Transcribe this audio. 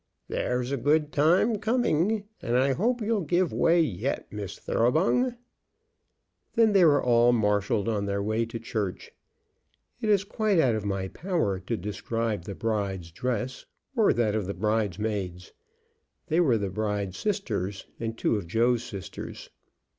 There's a good time coming, and I hope you'll give way yet, Miss Thoroughbung." Then they were all marshalled on their way to church. It is quite out of my power to describe the bride's dress, or that of the bride's maids. They were the bride's sisters and two of Joe's sisters.